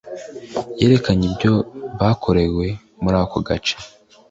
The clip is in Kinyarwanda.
yerekanye ibyo bakorewe muri ako gace